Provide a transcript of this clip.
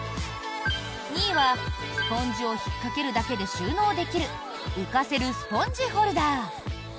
２位はスポンジを引っかけるだけで収納できる浮かせるスポンジホルダー。